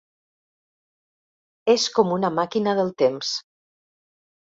És com una màquina del temps.